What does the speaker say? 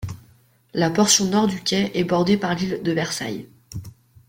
La portion nord du quai est bordé par l'île de Versailles.